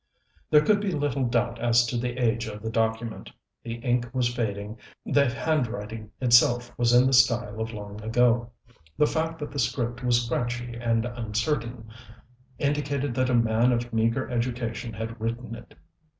There could be little doubt as to the age of the document. The ink was fading, the handwriting itself was in the style of long ago. The fact that the script was scratchy and uncertain, indicated that a man of meager education had written it.